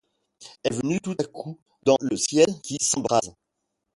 Est venu tout à côup, dans le ciel qui s'embrase